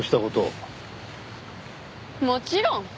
もちろん。